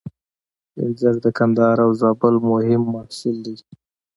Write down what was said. انځر د کندهار او زابل مهم محصول دی